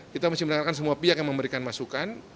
kita mesti mendapatkan semua pihak yang memberikan masukan